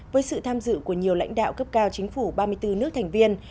với sự tham dự của nhiều lãnh đạo cấp cao chính phủ ba mươi bốn nước thành viên